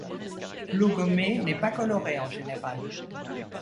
L'eau gommée n'est pas colorée en général.